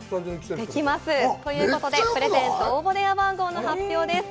できます。ということで、プレゼント応募電話番号の発表です。